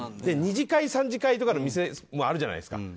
２次会３次会の店とかもあるじゃないですか。